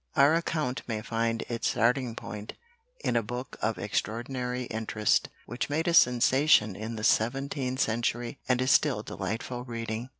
Our account may find its starting point in a book of extraordinary interest which made a sensation in the seventeenth century and is still delightful reading.